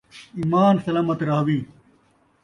ایمان سلامت رہوی